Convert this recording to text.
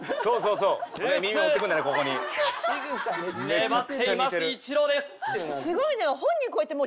粘っていますイチローです。